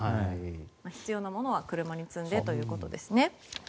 必要なものは車に積んでということですね。